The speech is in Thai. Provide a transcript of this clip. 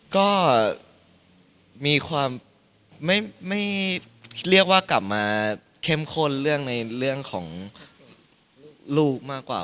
ก็มีความไม่เรียกว่ากลับมาเข้มข้นเรื่องในเรื่องของลูกมากกว่า